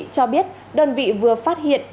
cho biết đơn vị vừa phát hiện